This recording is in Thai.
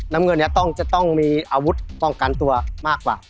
น้ำเงินเนี่ยจะต้องมีอาวุธป้องกันตัวมากกว่า